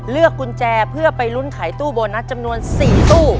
เลือกกุญแจเพื่อไปลุ้นขายตู้โบนัสจำนวน๔ตู้